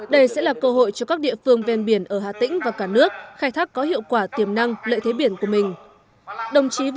đây sẽ là cơ hội cho các địa phương ven biển ở hà tĩnh và cả nước khai thác có hiệu quả tiềm năng lợi thế biển của mình